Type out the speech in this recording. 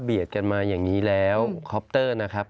กันมาอย่างนี้แล้วคอปเตอร์นะครับ